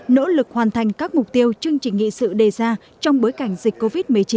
nỗ lực hoàn thành các mục tiêu chương trình nghị sự đề ra trong bối cảnh dịch covid một mươi chín